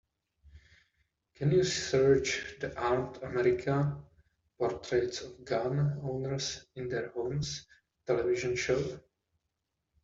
Can you search the Armed America: Portraits of Gun Owners in Their Homes television show?